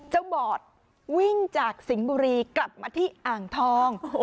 บอดวิ่งจากสิงห์บุรีกลับมาที่อ่างทอง